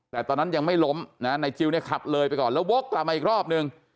แต่ตอนนั้นยังไม่ล้มนะนายจิลเนี่ยขับเลยไปก่อนแล้ววกกลับมาอีกรอบนึง